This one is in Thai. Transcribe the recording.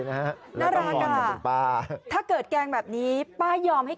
น่ารักค่ะถ้าเกิดแกงแบบนี้